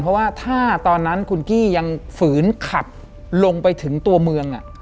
เพราะว่าถ้าตอนนั้นคุณกี้ยังฝืนขับลงไปถึงตัวเมือง